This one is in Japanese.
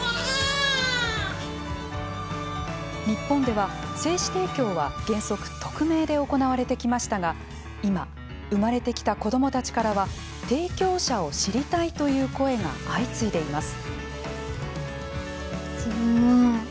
日本では、精子提供は原則匿名で行われてきましたが、今生まれてきた子どもたちからは提供者を知りたいという声が相次いでいます。